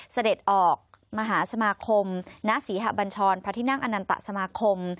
เสด็จออกมหาสมาคมณศรีหะบัญชรพระทินั่งอนันตสมาคม